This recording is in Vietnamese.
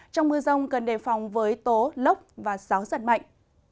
trong mưa rông cần đề phòng với tố lốc và gió giật mạnh